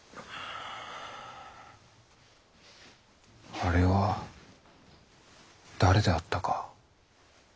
あれは誰であったか。